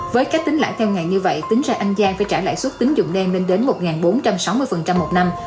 với các tính lãi theo ngày như vậy tính ra anh giang phải trả lãi suất tín dụng đen lên đến một bốn trăm sáu mươi một năm